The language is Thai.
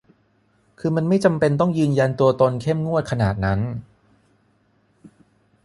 คือมันไม่จำเป็นต้องยืนยันตัวตนเข้มงวดขนาดนั้น